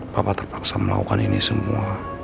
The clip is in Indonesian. bapak terpaksa melakukan ini semua